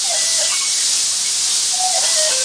اسلام نه غواړي، چي مسلمان سپک سي؛